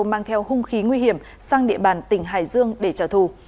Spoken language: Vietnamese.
mang theo hung khí nguy hiểm sang địa bàn tỉnh hải dương để trả thù